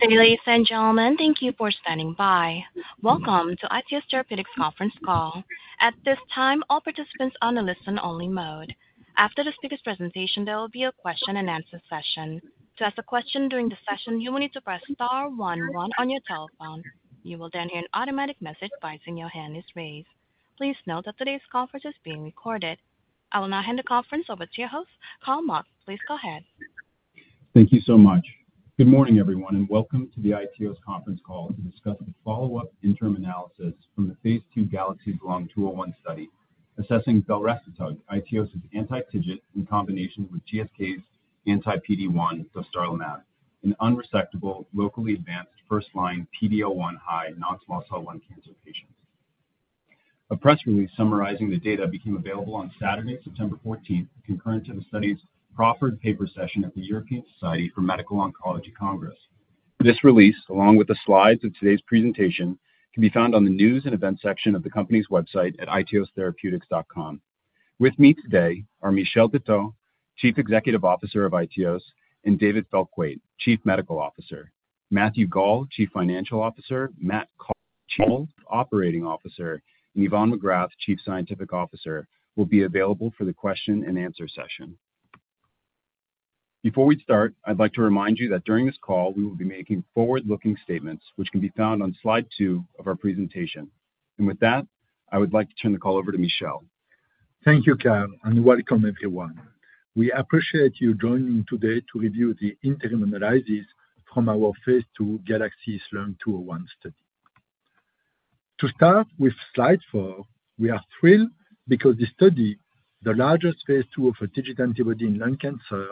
Good day, ladies and gentlemen. Thank you for standing by. Welcome to iTeos Therapeutics conference call. At this time, all participants are on a listen-only mode. After the speaker's presentation, there will be a question-and-answer session. To ask a question during the session, you will need to press star one one on your telephone. You will then hear an automatic message advising your hand is raised. Please note that today's conference is being recorded. I will now hand the conference over to your host, Carl Mauch. Please go ahead. Thank you so much. Good morning, everyone, and welcome to the iTeos conference call to discuss the follow-up interim analysis from the phase II GALAXIES-Lung-201 study, assessing belrestotug, iTeos' anti-TIGIT, in combination with GSK's anti-PD-1 dostarlimab, in unresectable, locally advanced, first-line PD-L1 high non-small cell lung cancer patients. A press release summarizing the data became available on Saturday, September fourteenth, concurrent to the study's proffered paper session at the European Society for Medical Oncology Congress. This release, along with the slides of today's presentation, can be found on the News and Events section of the company's website at iteos.com. With me today are Michel Detheux, Chief Executive Officer of iTeos, and David Feltquate, Chief Medical Officer. Matthew Gall, Chief Financial Officer, Matt Call, Chief Operating Officer, and Yvonne McGrath, Chief Scientific Officer, will be available for the question-and-answer session. Before we start, I'd like to remind you that during this call, we will be making forward-looking statements, which can be found on slide two of our presentation. And with that, I would like to turn the call over to Michel. Thank you, Carl, and welcome everyone. We appreciate you joining today to review the interim analysis from our phase II GALAXIES-Lung-201 study. To start with slide 4, we are thrilled because the study, the largest phase II of a TIGIT antibody in lung cancer,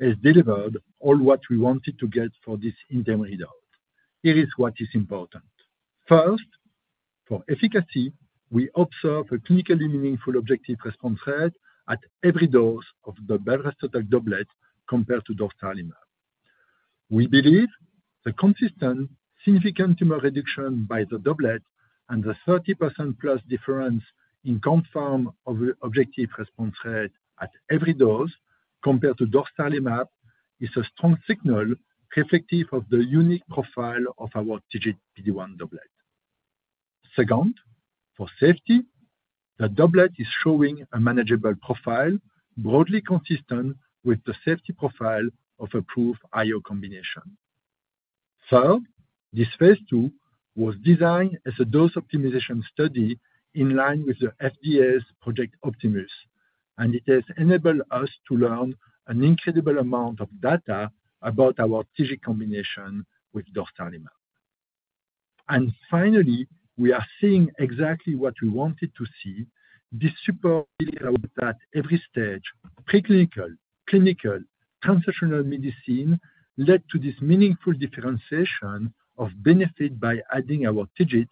has delivered all that we wanted to get for this interim readout. Here is what is important. First, for efficacy, we observe a clinically meaningful objective response rate at every dose of the belrestotug doublet compared to dostarlimab. We believe the consistent significant tumor reduction by the doublet and the 30%+ difference in confirmed objective response rate at every dose compared to dostarlimab is a strong signal reflective of the unique profile of our TIGIT PD-1 doublet. Second, for safety, the doublet is showing a manageable profile, broadly consistent with the safety profile of approved IO combination. This phase II was designed as a dose optimization study in line with the FDA's Project Optimus, and it has enabled us to learn an incredible amount of data about our TIGIT combination with dostarlimab. And finally, we are seeing exactly what we wanted to see. This supports that every stage, preclinical, clinical, translational medicine, led to this meaningful differentiation of benefit by adding our TIGIT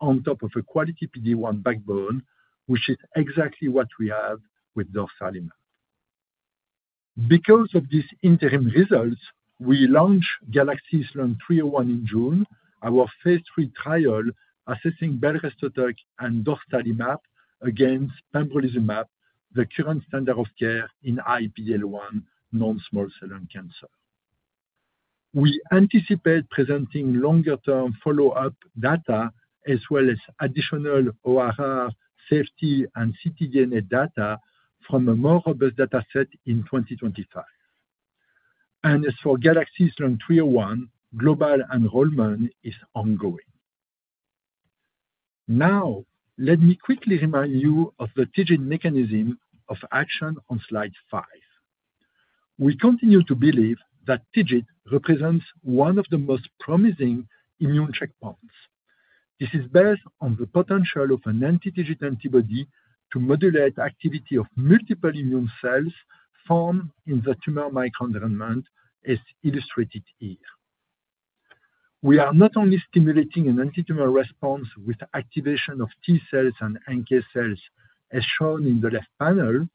on top of a quality PD-1 backbone, which is exactly what we have with dostarlimab. Because of these interim results, we launched GALAXIES-Lung-301 in June, our phase III trial assessing belrestotug and dostarlimab against pembrolizumab, the current standard of care in PD-L1 non-small cell lung cancer. We anticipate presenting longer-term follow-up data, as well as additional ORR, safety, and ctDNA data from a more robust data set in 2025. As for GALAXIES-Lung-301, global enrollment is ongoing. Now, let me quickly remind you of the TIGIT mechanism of action on slide five. We continue to believe that TIGIT represents one of the most promising immune checkpoints. This is based on the potential of an anti-TIGIT antibody to modulate activity of multiple immune cells formed in the tumor microenvironment, as illustrated here. We are not only stimulating an antitumor response with activation of T cells and NK cells, as shown in the left panel,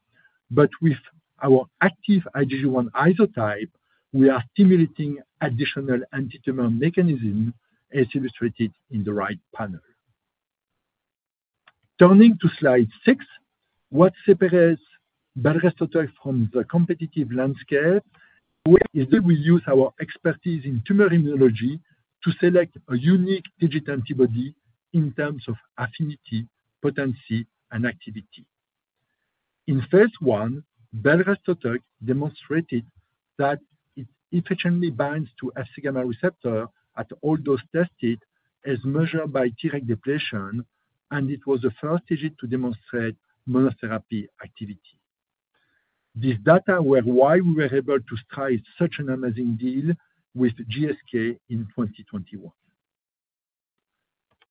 but with our active IgG1 isotype, we are stimulating additional antitumor mechanism, as illustrated in the right panel. Turning to slide six, what separates belrestotug from the competitive landscape is that we use our expertise in tumor immunology to select a unique TIGIT antibody in terms of affinity, potency, and activity. In phase I, belrestotug demonstrated that it efficiently binds to Fc gamma receptor at all dose tested as measured by T-reg depletion, and it was the first TIGIT to demonstrate monotherapy activity. These data were why we were able to strike such an amazing deal with GSK in 2021.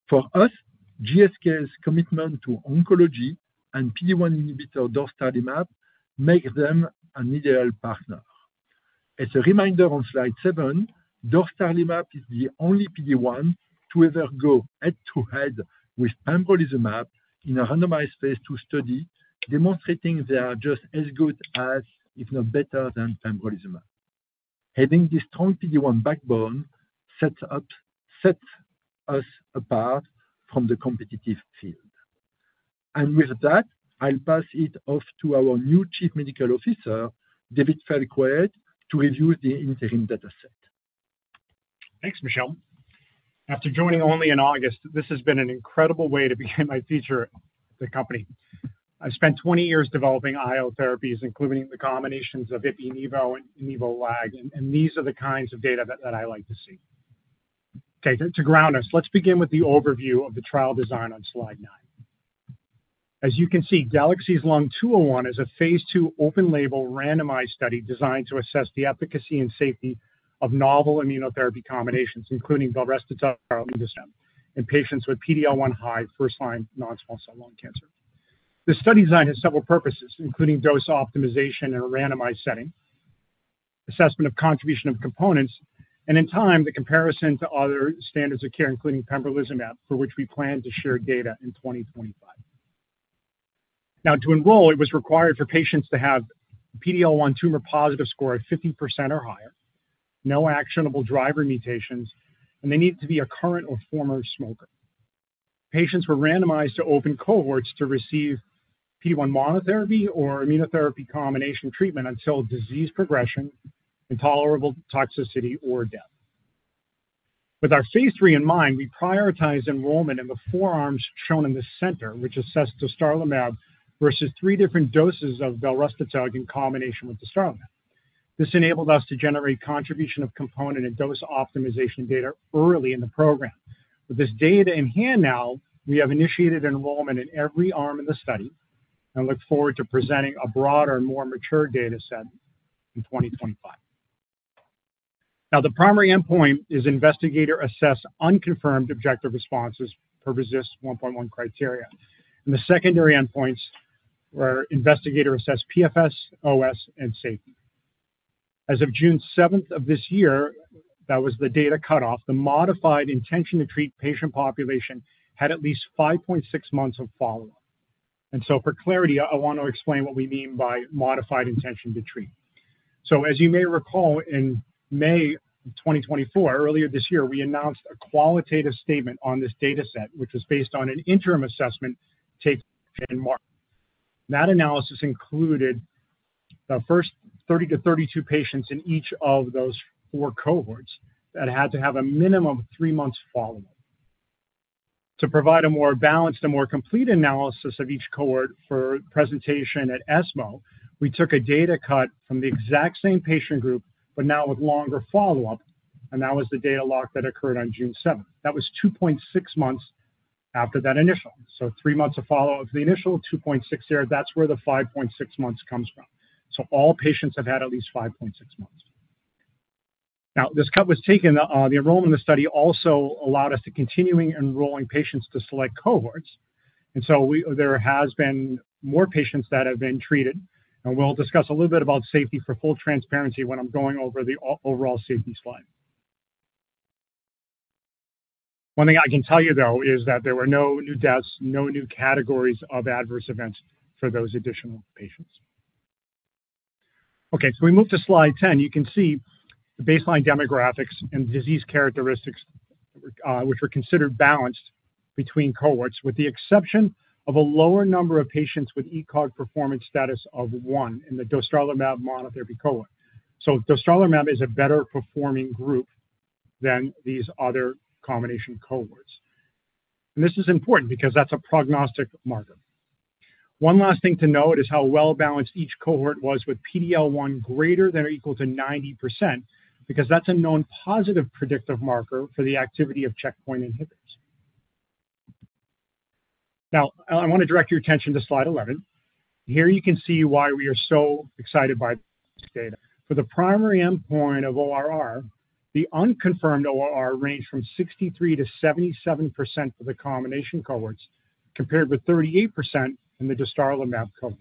For us, GSK's commitment to oncology and PD-1 inhibitor dostarlimab make them an ideal partner. As a reminder on slide seven, dostarlimab is the only PD-1 to ever go head-to-head with pembrolizumab in a randomized phase II study, demonstrating they are just as good as, if not better than, pembrolizumab. Having this strong PD-1 backbone sets us apart from the competitive field. With that, I'll pass it off to our new Chief Medical Officer, David Feltquate, to review the interim data set. Thanks, Michel. After joining only in August, this has been an incredible way to begin my future at the company. I spent twenty years developing IO therapies, including the combinations of Yervoy and Opdivo, and these are the kinds of data that I like to see. Okay, to ground us, let's begin with the overview of the trial design on slide nine. As you can see, GALAXIES-Lung-201 is a phase II open label randomized study designed to assess the efficacy and safety of novel immunotherapy combinations, including belrestotug and dostarlimab in patients with PD-L1 high first-line non-small cell lung cancer. The study design has several purposes, including dose optimization in a randomized setting, assessment of contribution of components, and in time, the comparison to other standards of care, including pembrolizumab, for which we plan to share data in 2025. Now, to enroll, it was required for patients to have PD-L1 tumor-positive score of 50% or higher, no actionable driver mutations, and they needed to be a current or former smoker. Patients were randomized to open cohorts to receive PD-1 monotherapy or immunotherapy combination treatment until disease progression, intolerable toxicity, or death. With our phase III in mind, we prioritize enrollment in the arms shown in the center, which assessed dostarlimab versus three different doses of belrestotug in combination with dostarlimab. This enabled us to generate contribution of component and dose optimization data early in the program. With this data in hand now, we have initiated enrollment in every arm in the study and look forward to presenting a broader and more mature data set in 2025. Now, the primary endpoint is investigator-assessed unconfirmed objective responses per RECIST 1.1 criteria, and the secondary endpoints were investigator-assessed PFS, OS, and safety. As of June seventh of this year, that was the data cutoff. The modified intention-to-treat patient population had at least 5.6 months of follow-up. For clarity, I want to explain what we mean by modified intention-to-treat. As you may recall, in May 2024, earlier this year, we announced a qualitative statement on this data set, which was based on an interim assessment taken in March. That analysis included the first 30-32 patients in each of those four cohorts that had to have a minimum of three months follow-up. To provide a more balanced and more complete analysis of each cohort for presentation at ESMO, we took a data cut from the exact same patient group, but now with longer follow-up, and that was the data lock that occurred on June seventh. That was two point six months after that initial. So three months of follow-up, the initial two point six there, that's where the 5.6 months comes from. So all patients have had at least five point six months. Now, this cut was taken, the enrollment in the study also allowed us to continuing enrolling patients to select cohorts. And so there has been more patients that have been treated, and we'll discuss a little bit about safety for full transparency when I'm going over the overall safety slide. One thing I can tell you, though, is that there were no new deaths, no new categories of adverse events for those additional patients. Okay, so we move to slide 10. You can see the baseline demographics and disease characteristics, which were considered balanced between cohorts, with the exception of a lower number of patients with ECOG performance status of one in the dostarlimab monotherapy cohort, so dostarlimab is a better performing group than these other combination cohorts, and this is important because that's a prognostic marker. One last thing to note is how well-balanced each cohort was with PD-L1 greater than or equal to 90%, because that's a known positive predictive marker for the activity of checkpoint inhibitors. Now, I want to direct your attention to slide 11. Here you can see why we are so excited by this data. For the primary endpoint of ORR, the unconfirmed ORR ranged from 63%-77% for the combination cohorts, compared with 38% in the dostarlimab cohort.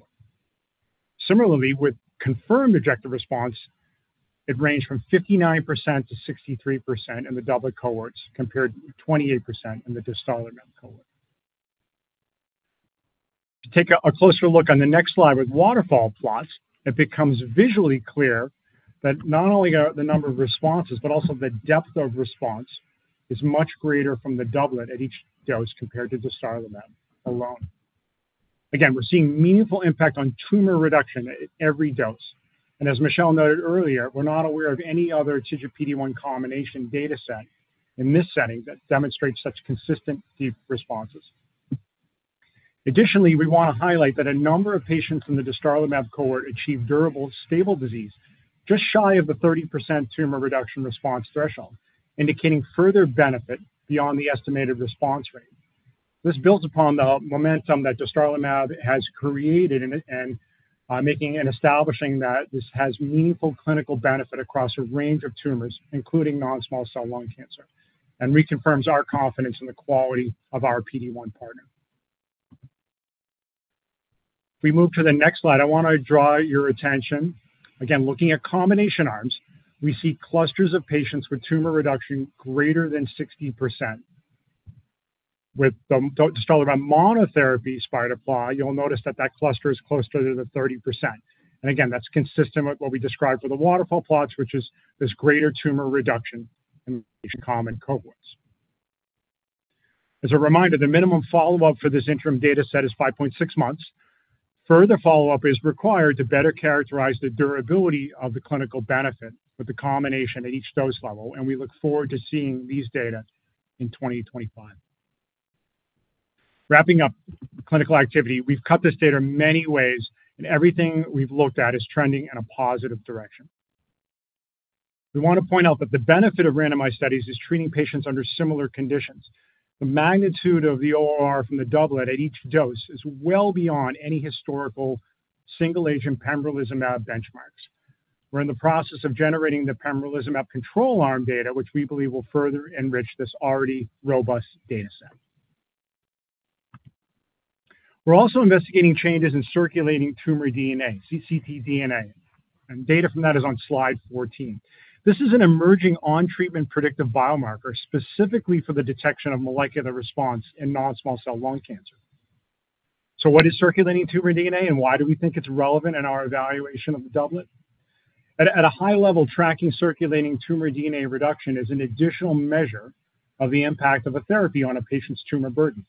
Similarly, with confirmed objective response, it ranged from 59%-63% in the doublet cohorts, compared to 28% in the dostarlimab cohort. To take a closer look on the next slide with waterfall plots, it becomes visually clear that not only are the number of responses, but also the depth of response, is much greater from the doublet at each dose compared to dostarlimab alone. Again, we're seeing meaningful impact on tumor reduction at every dose. And as Michel noted earlier, we're not aware of any other TIGIT PD-1 combination data set in this setting that demonstrates such consistent deep responses. Additionally, we want to highlight that a number of patients from the dostarlimab cohort achieved durable, stable disease, just shy of the 30% tumor reduction response threshold, indicating further benefit beyond the estimated response rate. This builds upon the momentum that dostarlimab has created and making and establishing that this has meaningful clinical benefit across a range of tumors, including non-small cell lung cancer, and reconfirms our confidence in the quality of our PD-1 partner. We move to the next slide. I want to draw your attention. Again, looking at combination arms, we see clusters of patients with tumor reduction greater than 60%. With the dostarlimab monotherapy spider plot, you'll notice that that cluster is closer to the 30%. And again, that's consistent with what we described for the waterfall plots, which is this greater tumor reduction.... common cohorts. As a reminder, the minimum follow-up for this interim data set is 5.6 months. Further follow-up is required to better characterize the durability of the clinical benefit with the combination at each dose level, and we look forward to seeing these data in 2025. Wrapping up clinical activity, we've cut this data many ways, and everything we've looked at is trending in a positive direction. We want to point out that the benefit of randomized studies is treating patients under similar conditions. The magnitude of the ORR from the doublet at each dose is well beyond any historical single-agent pembrolizumab benchmarks. We're in the process of generating the pembrolizumab control arm data, which we believe will further enrich this already robust data set. We're also investigating changes in circulating tumor DNA, ctDNA, and data from that is on slide 14. This is an emerging on treatment predictive biomarker, specifically for the detection of molecular response in non-small cell lung cancer. So what is circulating tumor DNA, and why do we think it's relevant in our evaluation of the doublet? At a high level, tracking circulating tumor DNA reduction is an additional measure of the impact of a therapy on a patient's tumor burden.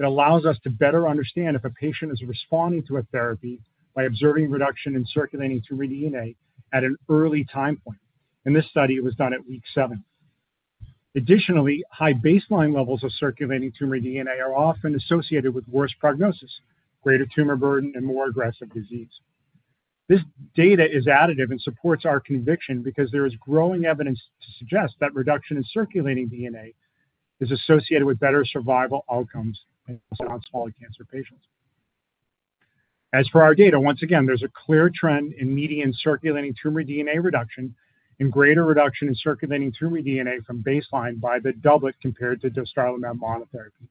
It allows us to better understand if a patient is responding to a therapy by observing reduction in circulating tumor DNA at an early time point. In this study, it was done at week seven. Additionally, high baseline levels of circulating tumor DNA are often associated with worse prognosis, greater tumor burden, and more aggressive disease. This data is additive and supports our conviction because there is growing evidence to suggest that reduction in circulating DNA is associated with better survival outcomes in non-small cell lung cancer patients. As for our data, once again, there's a clear trend in median circulating tumor DNA reduction and greater reduction in circulating tumor DNA from baseline by the doublet compared to dostarlimab monotherapy.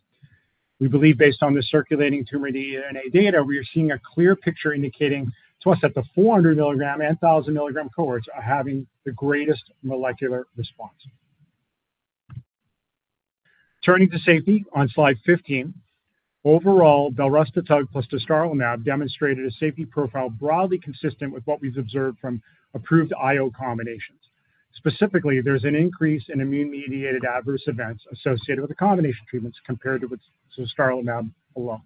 We believe based on the circulating tumor DNA data, we are seeing a clear picture indicating to us that the 400 mg and 1,000 mg cohorts are having the greatest molecular response. Turning to safety on slide 15. Overall, belrestotug plus dostarlimab demonstrated a safety profile broadly consistent with what we've observed from approved IO combinations. Specifically, there's an increase in immune-mediated adverse events associated with the combination treatments compared to with dostarlimab alone.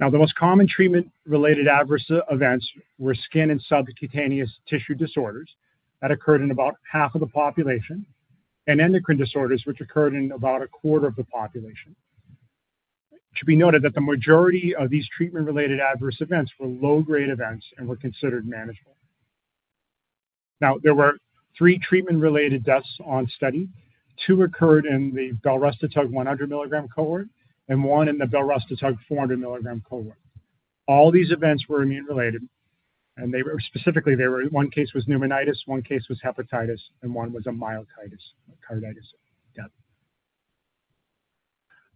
Now, the most common treatment-related adverse events were skin and subcutaneous tissue disorders that occurred in about half of the population, and endocrine disorders, which occurred in about a quarter of the population. It should be noted that the majority of these treatment-related adverse events were low-grade events and were considered manageable. Now, there were three treatment-related deaths on study. Two occurred in the belrestotug 100 mg cohort and one in the belrestotug 400 mg cohort. All these events were immune-related, and they were specifically one case was pneumonitis, one case was hepatitis, and one was a myocarditis,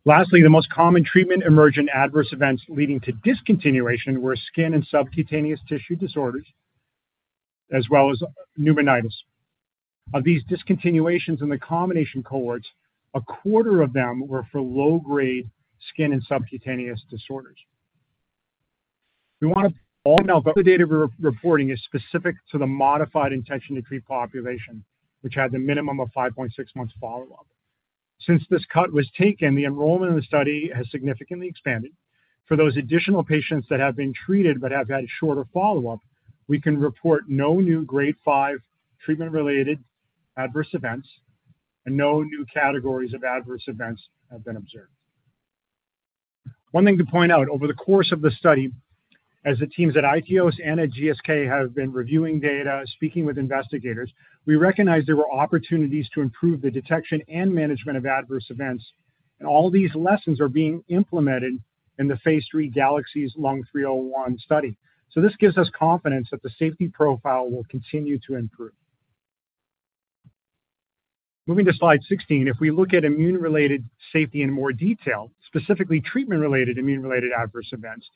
yeah. Lastly, the most common treatment emergent adverse events leading to discontinuation were skin and subcutaneous tissue disorders, as well as pneumonitis. Of these discontinuations in the combination cohorts, a quarter of them were for low-grade skin and subcutaneous disorders. We want to... All the data re-reporting is specific to the modified intention-to-treat population, which had the minimum of 5.6 months follow-up. Since this cut was taken, the enrollment in the study has significantly expanded. For those additional patients that have been treated but have had shorter follow-up, we can report no new grade 5 treatment-related adverse events, and no new categories of adverse events have been observed. One thing to point out, over the course of the study, as the teams at iTeos and at GSK have been reviewing data, speaking with investigators, we recognized there were opportunities to improve the detection and management of adverse events, and all these lessons are being implemented in the phase III GALAXIES-Lung-301 study. So this gives us confidence that the safety profile will continue to improve. Moving to slide 16, if we look at immune-mediated safety in more detail, specifically treatment-related, immune-mediated adverse events,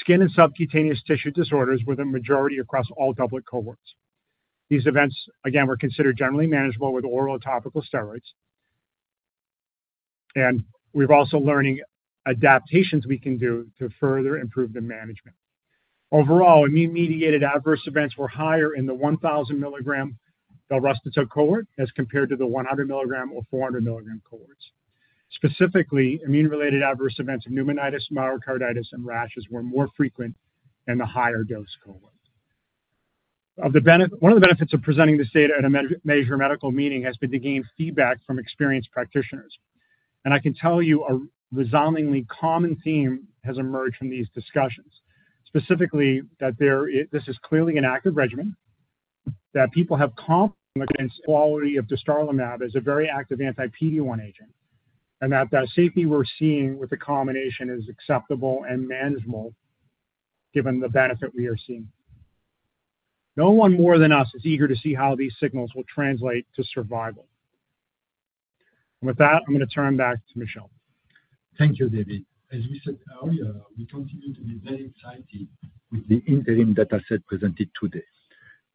skin and subcutaneous tissue disorders were the majority across all doublet cohorts. These events, again, were considered generally manageable with oral and topical steroids, and we're also learning adaptations we can do to further improve the management. Overall, immune-mediated adverse events were higher in the 1,000 mg belrestotug cohort as compared to the 100 mg or 400 mg cohorts. Specifically, immune-mediated adverse events of pneumonitis, myocarditis, and rashes were more frequent in the higher dose cohorts. One of the benefits of presenting this data at a major medical meeting has been to gain feedback from experienced practitioners, and I can tell you, a resoundingly common theme has emerged from these discussions. Specifically, this is clearly an active regimen, that people have confidence in the quality of dostarlimab as a very active anti-PD-1 agent, and that the safety we're seeing with the combination is acceptable and manageable given the benefit we are seeing. No one more than us is eager to see how these signals will translate to survival. And with that, I'm going to turn back to Michel. Thank you, David. As we said earlier, we continue to be very excited with the interim data set presented today.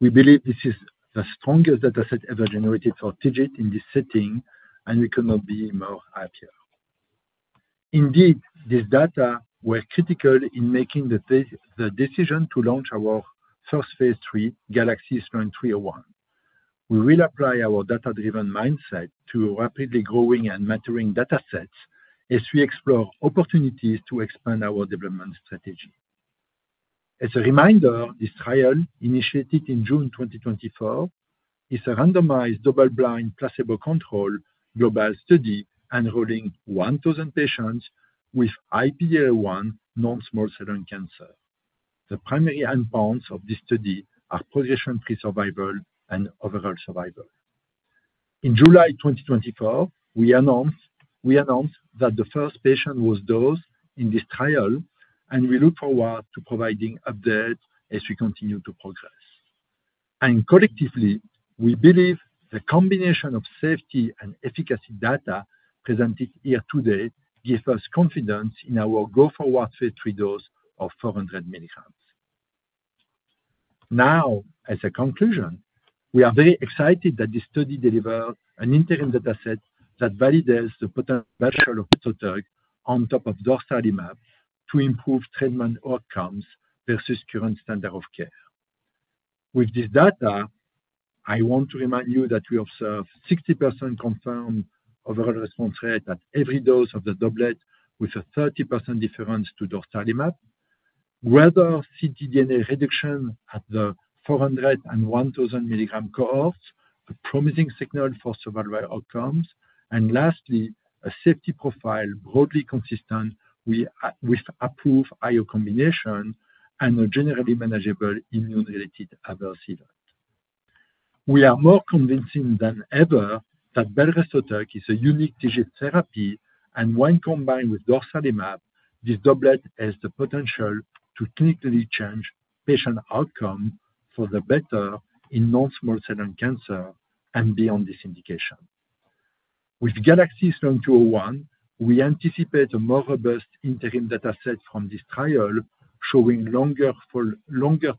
We believe this is the strongest data set ever generated for TIGIT in this setting, and we could not be more happier. Indeed, this data were critical in making the decision to launch our first phase III, GALAXIES-Lung-301. We will apply our data-driven mindset to rapidly growing and maturing data sets as we explore opportunities to expand our development strategy. As a reminder, this trial, initiated in June 2024, is a randomized, double-blind, placebo-controlled global study enrolling 1000 patients with PD-L1 non-small cell lung cancer. The primary endpoints of this study are progression-free survival and overall survival. In July 2024, we announced, we announced that the first patient was dosed in this trial, and we look forward to providing updates as we continue to progress. Collectively, we believe the combination of safety and efficacy data presented here today gives us confidence in our go-forward phase III dose of 400 mgs. Now, as a conclusion, we are very excited that this study delivered an interim data set that validates the potential of belrestotug on top of dostarlimab to improve treatment outcomes versus current standard of care. With this data, I want to remind you that we observed 60% confirmed overall response rate at every dose of the doublet, with a 30% difference to dostarlimab. With ctDNA reduction at the 400- and 1,000-mg cohorts, a promising signal for survival outcomes. Lastly, a safety profile broadly consistent with approved IO combination and a generally manageable immune-related adverse event. We are more convincing than ever that belrestotug is a unique TIGIT therapy, and when combined with dostarlimab, this doublet has the potential to clinically change patient outcome for the better in non-small cell lung cancer and beyond this indication. With GALAXIES-Lung-201, we anticipate a more robust interim data set from this trial, showing longer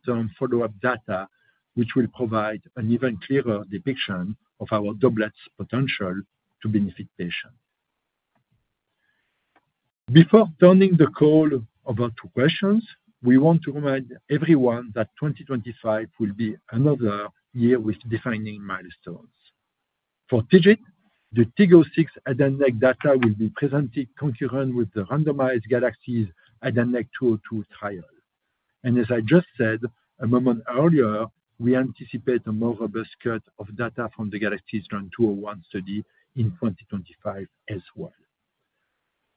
term follow-up data, which will provide an even clearer depiction of our doublet's potential to benefit patients. Before turning the call over to questions, we want to remind everyone that 2025 will be another year with defining milestones. For TIGIT, the TIG-006 head and neck data will be presented concurrent with the randomized GALAXIES-Lung-202 trial. And as I just said a moment earlier, we anticipate a more robust cut of data from the GALAXIES-Lung-201 study in 2025 as well.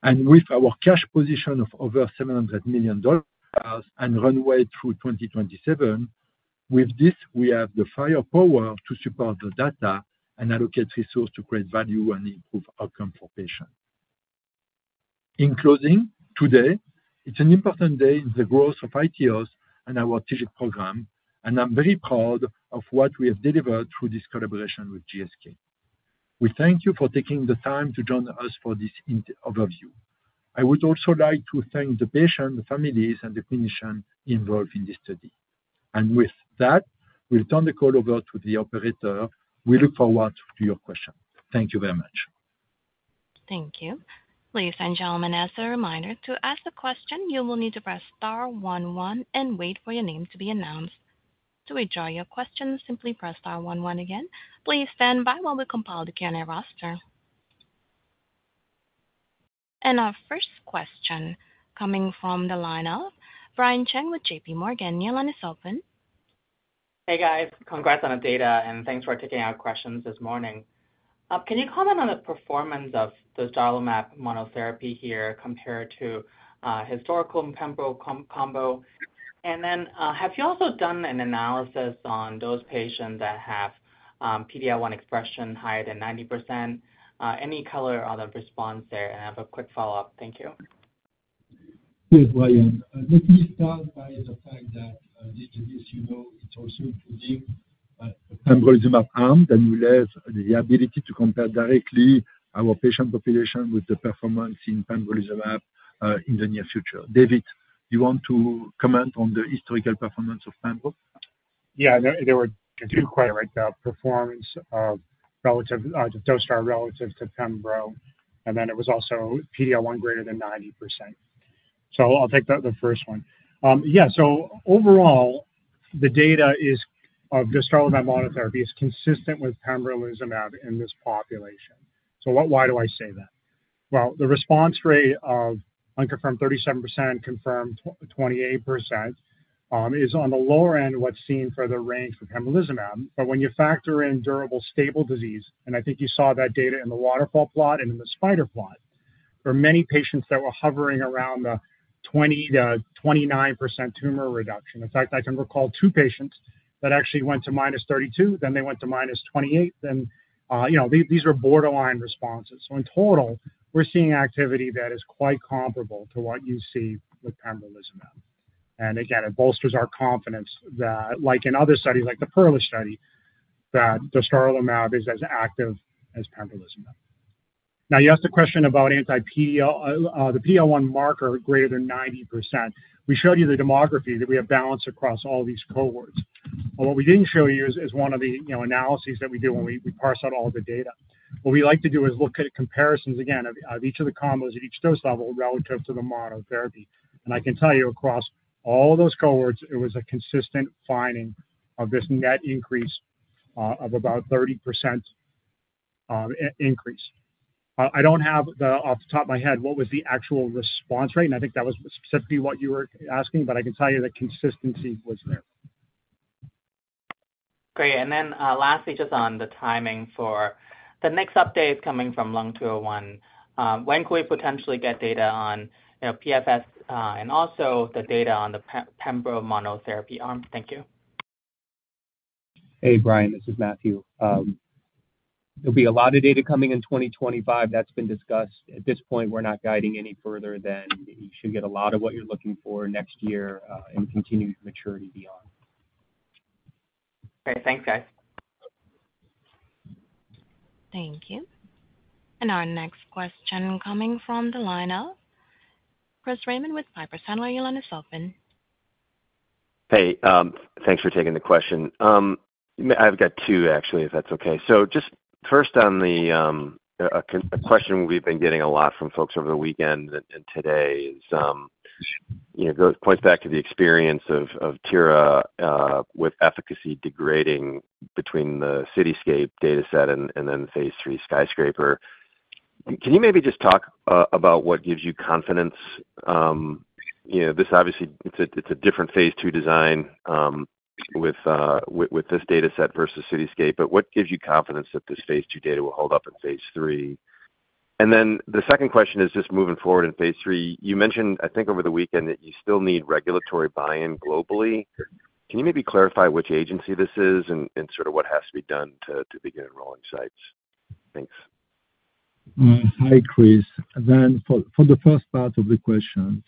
And with our cash position of over $700 million and runway through 2027, with this, we have the firepower to support the data and allocate resources to create value and improve outcomes for patients. In closing, today, it is an important day in the growth of iTeos and our TIGIT program, and I am very proud of what we have delivered through this collaboration with GSK. We thank you for taking the time to join us for this introductory overview. I would also like to thank the patients, the families, and the clinicians involved in this study. And with that, we will turn the call over to the operator. We look forward to your questions. Thank you very much. Thank you. Ladies and gentlemen, as a reminder, to ask a question, you will need to press star one one and wait for your name to be announced. To withdraw your question, simply press star one one again. Please stand by while we compile the Q&A roster. Our first question coming from the line of Brian Cheng with J.P. Morgan. Your line is open. Hey, guys. Congrats on the data, and thanks for taking our questions this morning. Can you comment on the performance of the belrestotug monotherapy here compared to historical pembro combo? And then, have you also done an analysis on those patients that have PD-L1 expression higher than 90%? Any color on the response there? I have a quick follow-up. Thank you. Yes, Brian. Let me start by the fact that, as you know, it's also including pembrolizumab arm, then we'll have the ability to compare directly our patient population with the performance in pembrolizumab, in the near future. David, you want to comment on the historical performance of pembro? Yeah, there, there were two quite right, the performance of relative to dostarlimab, relative to pembrolizumab, and then it was also PD-L1 greater than 90%. So I'll take the first one. Yeah, so overall, the data is of dostarlimab monotherapy is consistent with pembrolizumab in this population. So what, why do I say that? Well, the response rate of unconfirmed 37%, confirmed twenty-eight 28%, is on the lower end of what's seen for the range for pembrolizumab. But when you factor in durable, stable disease, and I think you saw that data in the waterfall plot and in the spider plot, there are many patients that were hovering around a 20%-29% tumor reduction. In fact, I can recall two patients that actually went to -32, then they went to -28. Then, you know, these are borderline responses. So in total, we're seeing activity that is quite comparable to what you see with pembrolizumab. And again, it bolsters our confidence that, like in other studies, like the PERLA study, that dostarlimab is as active as pembrolizumab. Now, you asked a question about anti-PD-1, the PD-L1 marker greater than 90%. We showed you the demographics that we have balanced across all these cohorts. But what we didn't show you is one of the analyses that we do when we parse out all the data. What we like to do is look at comparisons again, of each of the combos at each dose level relative to the monotherapy. And I can tell you across all those cohorts, it was a consistent finding of this net increase of about 30%. I don't have, off the top of my head, what was the actual response rate, and I think that was specifically what you were asking, but I can tell you the consistency was there. Great. And then, lastly, just on the timing for the next updates coming from Lung 201, when could we potentially get data on, you know, PFS, and also the data on the pembro monotherapy arm? Thank you. Hey, Brian, this is Matthew. There'll be a lot of data coming in 2025. That's been discussed. At this point, we're not guiding any further than you should get a lot of what you're looking for next year, and continue to maturity beyond. Okay. Thanks, guys. Thank you. And our next question coming from the line of Chris Raymond with Piper Sandler. Your line is open. Hey, thanks for taking the question. I've got two, actually, if that's okay. So just first on the question we've been getting a lot from folks over the weekend and today is, you know, points back to the experience of tiragolumab with efficacy degrading between the CITYSCAPE dataset and then phase II SKYSCRAPER. Can you maybe just talk about what gives you confidence, you know, this obviously it's a, it's a different phase II design with this dataset versus CITYSCAPE, but what gives you confidence that this phase II data will hold up in phase III? And then the second question is just moving forward in phase III. You mentioned, I think over the weekend, that you still need regulatory buy-in globally. Can you maybe clarify which agency this is and sort of what has to be done to begin enrolling sites? Thanks. Hi, Chris. Then for the first part of the question,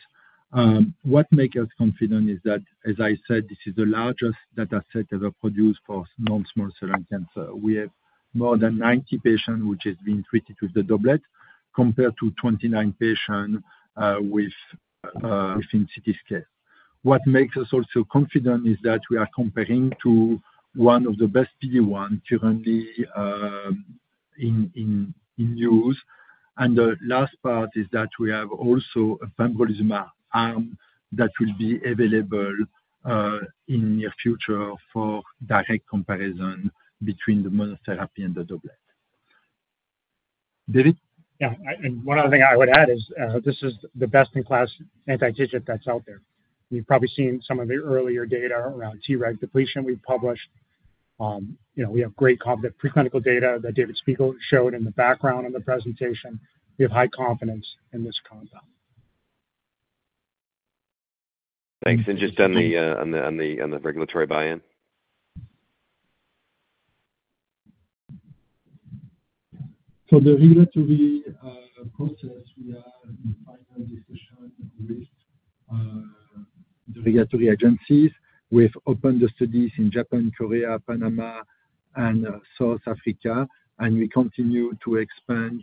what make us confident is that, as I said, this is the largest dataset ever produced for non-small cell lung cancer. We have more than 90 patients, which is being treated with the doublet, compared to 29 patients within CITYSCAPE. What makes us also confident is that we are comparing to one of the best PD-1 currently in use. And the last part is that we have also a pembrolizumab arm that will be available in the near future for direct comparison between the monotherapy and the doublet. David? Yeah, and one other thing I would add is, this is the best-in-class anti-TIGIT that's out there. You've probably seen some of the earlier data around T-reg depletion we published. You know, we have great confidence in the preclinical data that David Spigel showed in the background on the presentation. We have high confidence in this compound. Thanks. And just on the regulatory buy-in? So the regulatory process, we are in the final decision with the regulatory agencies. We've opened the studies in Japan, Korea, Panama, and South Africa, and we continue to expand.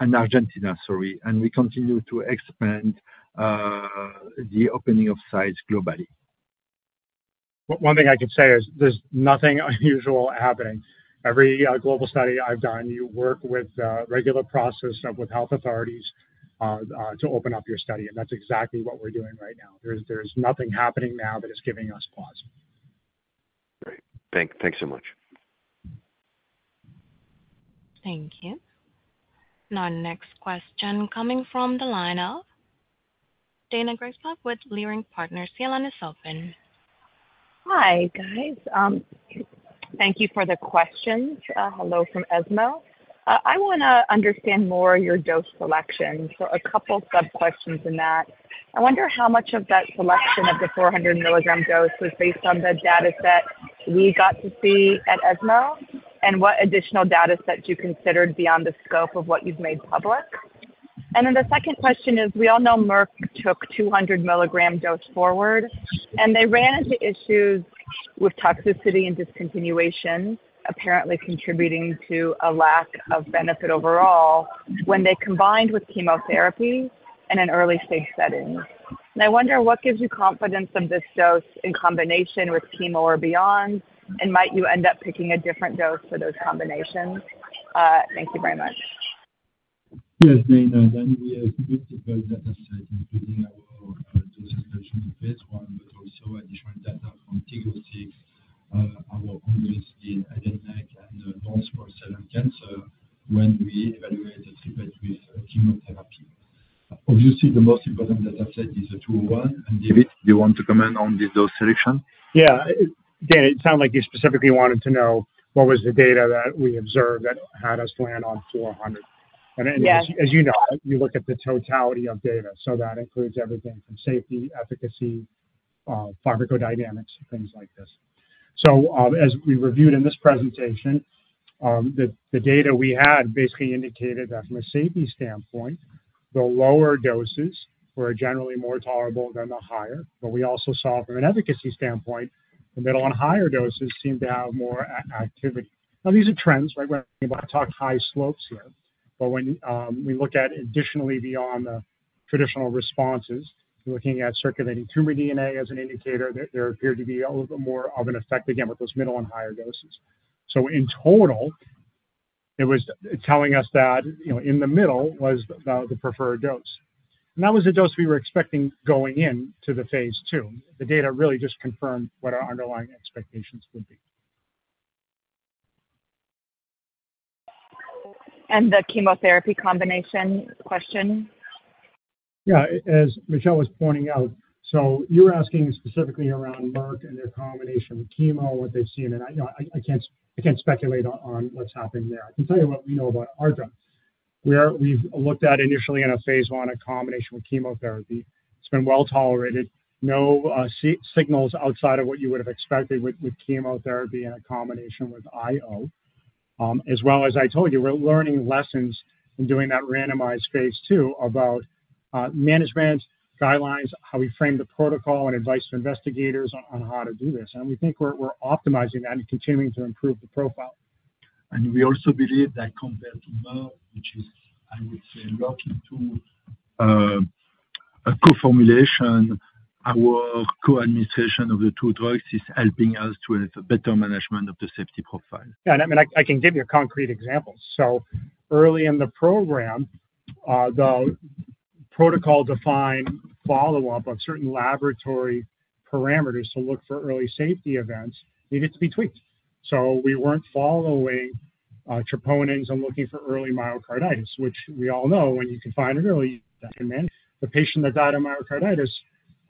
And Argentina, sorry, and we continue to expand the opening of sites globally. One thing I can say is there's nothing unusual happening. Every global study I've done, you work with regular process of, with health authorities, to open up your study, and that's exactly what we're doing right now. There's nothing happening now that is giving us pause. Great. Thanks so much. Thank you. Now, our next question coming from the line of Daina Graybosch with Leerink Partners. Your line is open. Hi, guys. Thank you for the questions. Hello from ESMO. I wanna understand more your dose selection. So a couple sub-questions in that. I wonder how much of that selection of the 400 mg dose was based on the dataset we got to see at ESMO, and what additional datasets you considered beyond the scope of what you've made public? And then the second question is, we all know Merck took 200 mg dose forward, and they ran into issues with toxicity and discontinuation, apparently contributing to a lack of benefit overall when they combined with chemotherapy in an early phase setting. And I wonder what gives you confidence of this dose in combination with chemo or beyond, and might you end up picking a different dose for those combinations? Thank you very much. Yes, Daina, then we have multiple datasets, including our dose expansion in phase I, but also additional data from TIG-006, our partners in head and neck and non-small cell lung cancer when we evaluate the triplet with chemotherapy. Obviously, the most important dataset is the 201, and David, do you want to comment on the dose selection? Yeah. Daina, it sounded like you specifically wanted to know what was the data that we observed that had us land on 400. Yes. As you know, you look at the totality of data. That includes everything from safety, efficacy, pharmacodynamics, things like this. As we reviewed in this presentation, the data we had basically indicated that from a safety standpoint, the lower doses were generally more tolerable than the higher. We also saw from an efficacy standpoint, the middle and higher doses seemed to have more activity. These are trends, right? We're about to talk high slopes here. When we look additionally beyond the traditional responses, looking at circulating tumor DNA as an indicator, there appeared to be a little bit more of an effect, again, with those middle and higher doses. In total, it was telling us that, you know, in the middle was the preferred dose. That was the dose we were expecting going into the phase II. The data really just confirmed what our underlying expectations would be. The chemotherapy combination question? Yeah, as Michel was pointing out, so you're asking specifically around Merck and their combination with chemo, what they've seen, and I can't speculate on what's happening there. I can tell you what we know about our drug. Where we've looked at initially in a phase I, a combination with chemotherapy, it's been well tolerated, no signals outside of what you would have expected with chemotherapy and a combination with IO. As well as I told you, we're learning lessons in doing that randomized phase II about management guidelines, how we frame the protocol, and advice to investigators on how to do this, and we think we're optimizing that and continuing to improve the profile. We also believe that compared to Merck, which is, I would say, looking to a co-formulation, our co-administration of the two drugs is helping us to a better management of the safety profile. Yeah, and I can give you a concrete example. So early in the program, the protocol-defined follow-up on certain laboratory parameters to look for early safety events needed to be tweaked. So we weren't following, troponins and looking for early myocarditis, which we all know when you can find it early, then the patient that died of myocarditis,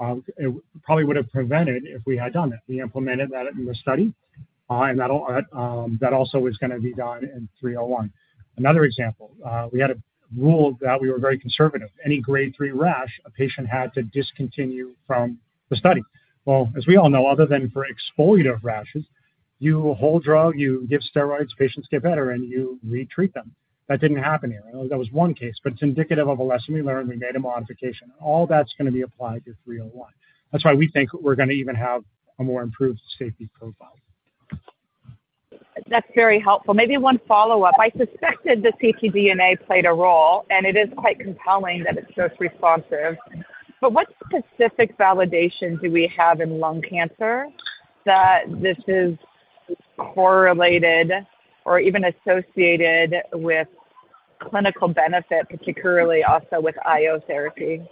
it probably would have prevented if we had done it. We implemented that in the study, and that also is gonna be done in 301. Another example, we had a rule that we were very conservative. Any grade three rash, a patient had to discontinue from the study. Well, as we all know, other than for exfoliative rashes, you hold drug, you give steroids, patients get better, and you retreat them. That didn't happen here. That was one case, but it's indicative of a lesson we learned. We made a modification. All that's gonna be applied to 301. That's why we think we're gonna even have a more improved safety profile. That's very helpful. Maybe one follow-up. I suspected the ctDNA played a role, and it is quite compelling that it's so responsive. But what specific validation do we have in lung cancer, that this is correlated or even associated with clinical benefit, particularly also with IO therapy?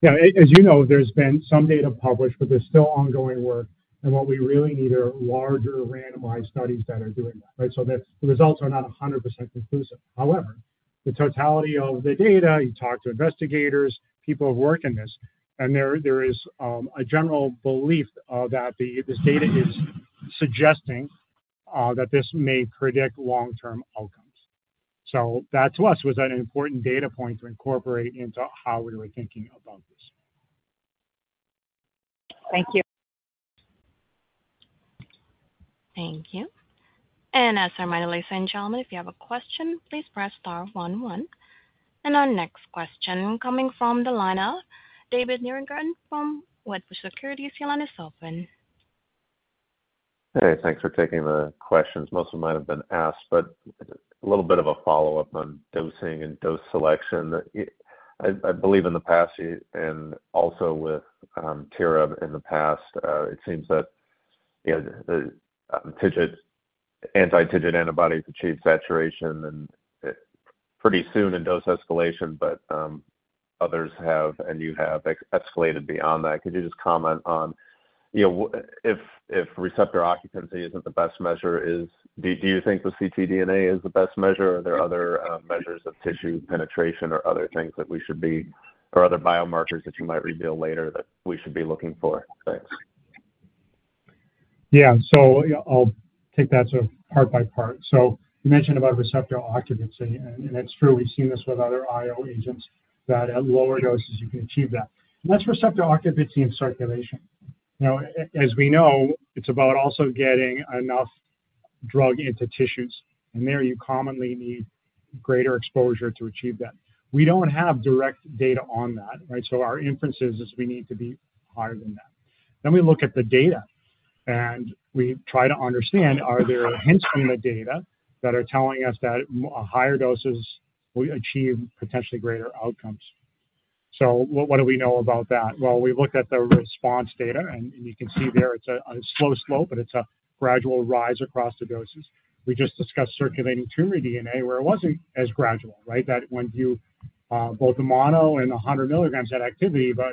Yeah, as you know, there's been some data published, but there's still ongoing work, and what we really need are larger randomized studies that are doing that, right? So the results are not 100% conclusive. However, the totality of the data, you talk to investigators, people who work in this, and there is a general belief that this data is suggesting that this may predict long-term outcomes. So that, to us, was an important data point to incorporate into how we were thinking about this. Thank you. Thank you. And as a reminder, ladies and gentlemen, if you have a question, please press star one, one. And our next question coming from the line of David Nierengarten from Wedbush Securities. Your line is open. Hey, thanks for taking the questions. Most of them might have been asked, but a little bit of a follow-up on dosing and dose selection. I believe in the past, and also with Tira in the past, it seems that, you know, the TIGIT, anti-TIGIT antibodies achieve saturation and pretty soon in dose escalation, but others have, and you have escalated beyond that. Could you just comment on, you know, if receptor occupancy isn't the best measure, is ctDNA the best measure, or are there other measures of tissue penetration or other things that we should be, or other biomarkers that you might reveal later that we should be looking for? Thanks. Yeah. So I'll take that sort of part by part. So you mentioned about receptor occupancy, and it's true, we've seen this with other IO agents, that at lower doses, you can achieve that. And that's receptor occupancy and circulation. Now, as we know, it's about also getting enough drug into tissues, and there you commonly need greater exposure to achieve that. We don't have direct data on that, right? So our inferences is we need to be higher than that. Then we look at the data, and we try to understand, are there hints in the data that are telling us that higher doses will achieve potentially greater outcomes? So what, what do we know about that? Well, we've looked at the response data, and you can see there it's a slow slope, but it's a gradual rise across the doses. We just discussed circulating tumor DNA, where it wasn't as gradual, right? That when you both mono and a hundred mgs had activity, but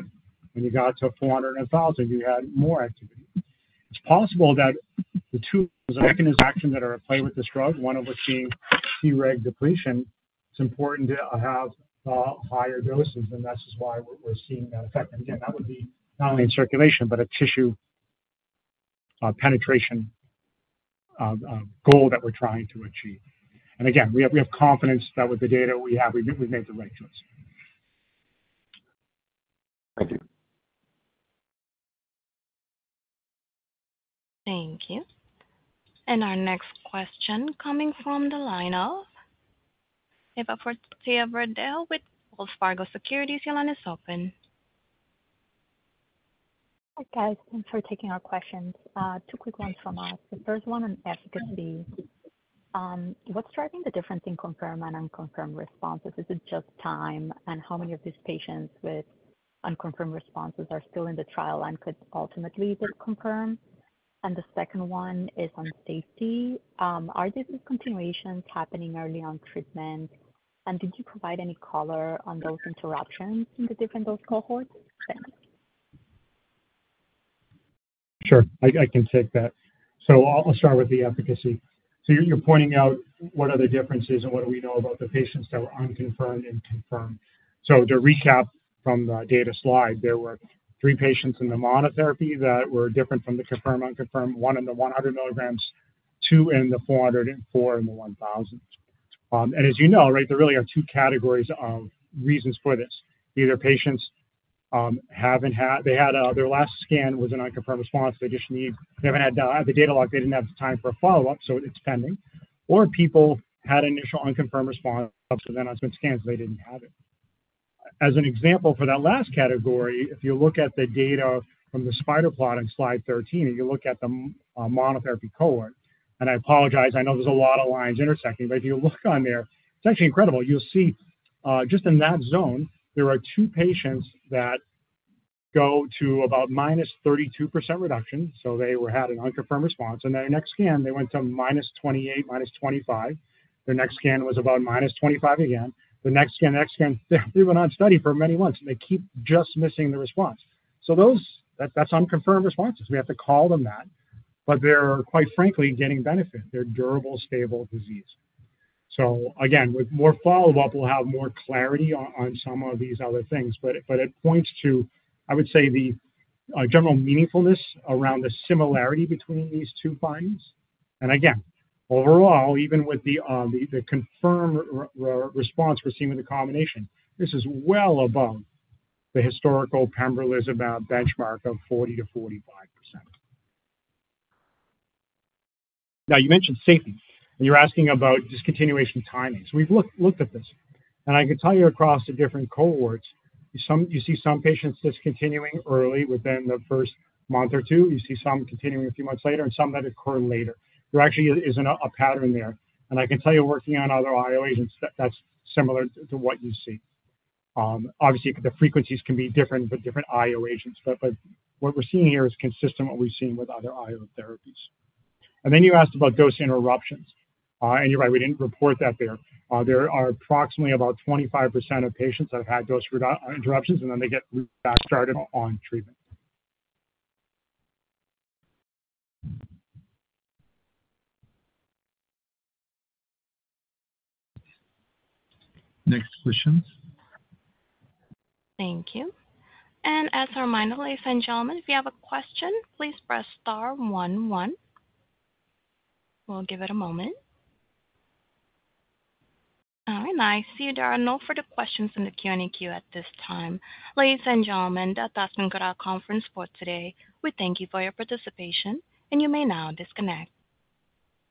when you got to 400 and a 1,000, you had more activity. It's possible that the two mechanisms of action that are at play with this drug, one of which being T-reg depletion, it's important to have higher doses, and that is why we're seeing that effect. And again, that would be not only in circulation, but a tissue penetration goal that we're trying to achieve. And again, we have confidence that with the data we have, we've made the right choice. Thank you. Thank you. And our next question coming from the line of Eva Fortea-Verdejo with Wells Fargo Securities. Your line is open. Hi, guys. Thanks for taking our questions. Two quick ones from us. The first one on efficacy. What's driving the difference in confirmed and unconfirmed responses? Is it just time? And how many of these patients with unconfirmed responses are still in the trial and could ultimately get confirmed? And the second one is on safety. Are discontinuations happening early on treatment? And did you provide any color on those interruptions in the different dose cohorts? Thanks. Sure, I can take that. So I'll start with the efficacy. So you're pointing out what are the differences and what do we know about the patients that were unconfirmed and confirmed. So to recap from the data slide, there were three patients in the monotherapy that were different from the confirmed, unconfirmed, one in the 100 mgs, two in the 400, and four in the 1,000. And as you know, right, there really are two categories of reasons for this. Either patients haven't had their last scan was an unconfirmed response. They just they haven't had the data lock. They didn't have the time for a follow-up, so it's pending. Or people had initial unconfirmed response, so then on some scans, they didn't have it. As an example, for that last category, if you look at the data from the spider plot on slide 13, and you look at the monotherapy cohort, and I apologize, I know there's a lot of lines intersecting, but if you look on there, it's actually incredible. You'll see just in that zone, there are two patients that go to about -32% reduction, so they had an unconfirmed response, and then the next scan, they went to -28, -25. The next scan was about -25 again. The next scan, they went on study for many months, and they keep just missing the response. So that's unconfirmed responses. We have to call them that, but they're quite frankly getting benefit. They're durable, stable disease. So again, with more follow-up, we'll have more clarity on some of these other things. But it points to, I would say, the general meaningfulness around the similarity between these two findings. And again, overall, even with the confirmed response we're seeing with the combination, this is well above the historical pembrolizumab benchmark of 40%-45%. Now, you mentioned safety, and you're asking about discontinuation timing. So we've looked at this, and I can tell you across the different cohorts, you see some patients discontinuing early within the first month or two. You see some continuing a few months later and some that occur later. There actually is a pattern there. And I can tell you, working on other IO agents, that's similar to what you see. Obviously, the frequencies can be different with different IO agents, but what we're seeing here is consistent with what we've seen with other IO therapies. Then you asked about dose interruptions. And you're right, we didn't report that there. There are approximately about 25% of patients that have had dose interruptions, and then they get back started on treatment. Next questions. Thank you. As a reminder, ladies and gentlemen, if you have a question, please press star one, one. We'll give it a moment. All right, I see there are no further questions in the Q&A queue at this time. Ladies and gentlemen, that has been our conference for today. We thank you for your participation, and you may now disconnect.